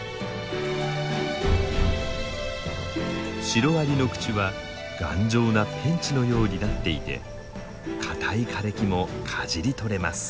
シロアリの口は頑丈なペンチのようになっていて硬い枯れ木もかじり取れます。